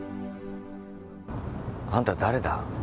あんた誰だ？